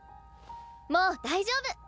もう大丈夫！